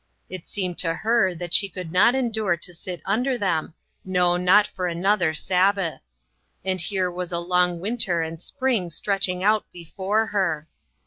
It seemed to her that she could not endure to sit under them, no, not for another Sabbath; and here was a long win ter and spring stretching out before her!